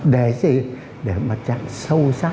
để gì để mặt trận sâu sắc hơn